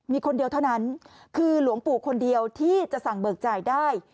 มีคนเดียวเท่านั้นคือหลวงปู่คนเดียวที่จะสั่งเบิกจ่ายได้